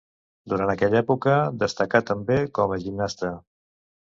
Durant aquella època destacà també com a gimnasta.